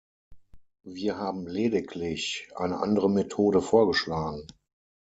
Wir haben lediglich eine andere Methode vorgeschlagen.